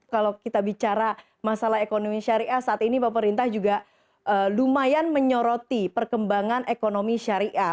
kalau kita bicara masalah ekonomi syariah saat ini pemerintah juga lumayan menyoroti perkembangan ekonomi syariah